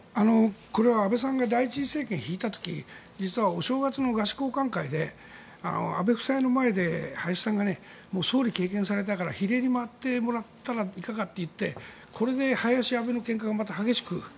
これは安倍さんが第１次政権を引いた時に実は、お正月の賀詞交歓会で安倍夫妻の前で林さんが総理を経験されたから比例に回ってもらったらいかがかといってこれで林・安倍のけんかが激しく。